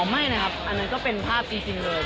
ไม่นะครับอันนั้นก็เป็นภาพจริงเลย